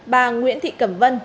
bà nguyễn thị cẩm vân